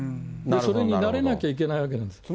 それに慣れなきゃいけないわけなんです。